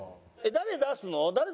誰出すの？